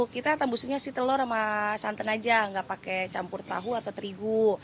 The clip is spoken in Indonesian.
kita tambusunya si telur sama santan aja nggak pakai campur tahu atau terigu